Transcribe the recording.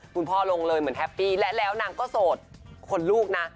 คุณพ่อลงเลยเหมือนแฮปปี้และแล้วนางก็โสดคนลูกนะ